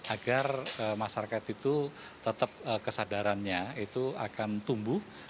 agar masyarakat itu tetap kesadarannya itu akan tumbuh